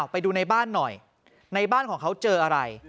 ไปดูในบ้านหน่อยในบ้านของเขาเจออะไร